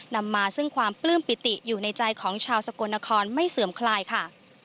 นำมาซึ่งความปลื้มปิติอยู่ในใจของชาวสกลนครไม่เสื่อมคลายค่ะ